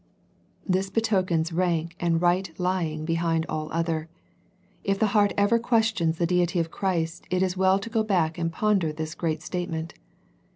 This betokens rank and right lying behind all other. If the heart ever questions the Deity of Christ it is well to go back and ponder this great statement.